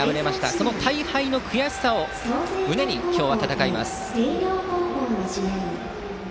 その大敗の悔しさを胸に今日は戦います。